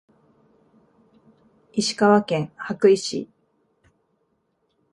石川県羽咋市